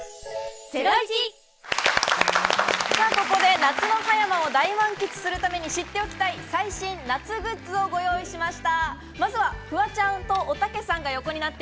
夏の葉山を大満喫するために知っておきたい最新夏グッズをご用意しました。